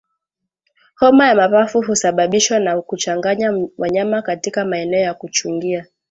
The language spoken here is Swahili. Homa ya mapafu husababishwa na kuchanganya wanyama katika maeneo ya kuchungia